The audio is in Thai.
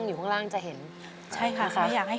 เปลี่ยนเพลงเพลงเก่งของคุณและข้ามผิดได้๑คำ